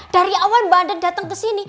dari awal mba anden dateng kesini